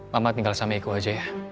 mama tinggal sama eko aja ya